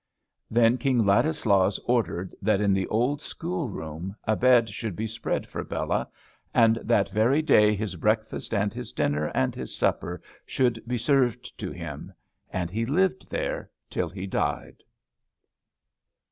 Then King Ladislaus ordered that in the old school room a bed should be spread for Bela; and that every day his breakfast and his dinner and his supper should be served to him; and he lived there till he died.